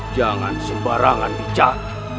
jangan sembarangan bicara